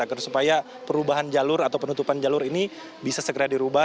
agar supaya perubahan jalur atau penutupan jalur ini bisa segera dirubah